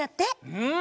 うん！